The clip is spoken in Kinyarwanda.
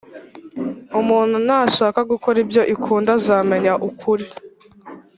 Umuntu nashaka gukora ibyo Ikunda azamenya ukuri